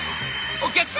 お客様！